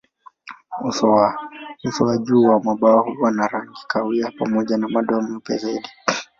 Uso wa juu wa mabawa huwa na rangi kahawia pamoja na madoa meupe zaidi.